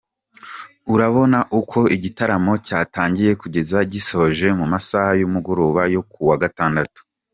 Urabona uko igitaramo cyatangiye kugeza gisojwe mu masaha y’umugoroba yo kuwa Gatandatu.